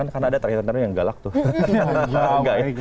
kan ada trainer trainer yang galak tuh